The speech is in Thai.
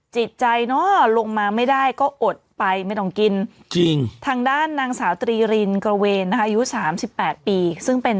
จิตใจเนอะลงมาไม่ได้ก็อดไปไม่ต้องกิน